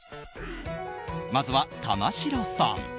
まずは玉城さん。